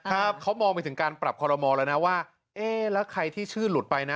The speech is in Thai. ครับเขามองไปถึงการปรับคอรมอลแล้วนะว่าเอ๊ะแล้วใครที่ชื่อหลุดไปนะ